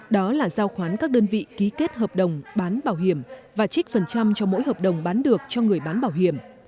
đó là giao khoán các đơn vị ký kết hợp đồng bán bảo hiểm và trích phần trăm cho mỗi hợp đồng bán được cho người bán bảo hiểm